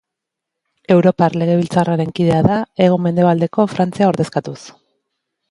Europar Legebiltzarraren kidea da, hego-mendebaldeko Frantzia ordezkatuz.